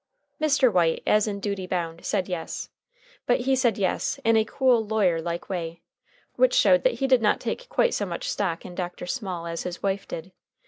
Mr. White, as in duty bound, said yes, but he said yes in a cool, lawyerlike way, which showed that he did not take quite so much stock in Dr. Small as his wife did.